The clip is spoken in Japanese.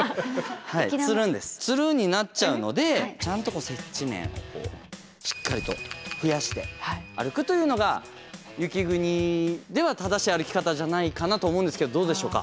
ツルンになっちゃうのでちゃんと接地面をしっかりと増やして歩くというのが雪国では正しい歩き方じゃないかなと思うんですけどどうでしょうか？